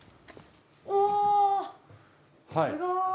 おすごい。